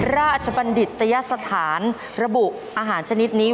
บัณฑิตยสถานระบุอาหารชนิดนี้